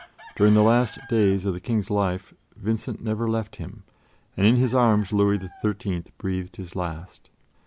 During the last days of the King's life, Vincent never left him, and in his arms Louis XIII breathed his last.